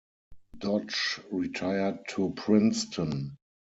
Dodge retired to Princeton.